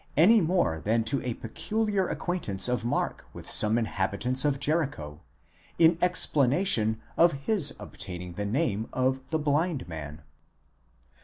any more than to a peculiar acquaintance of Mark with some inhabitants of Jericho, in explana tion of his obtaining the name of the blind man.